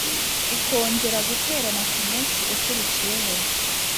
ikongera guterana ku munsi ukurikiyeho